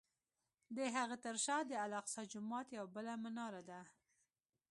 د هغه تر شا د الاقصی جومات یوه بله مناره ده.